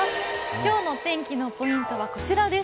今日のお天気のポイントはこちらです。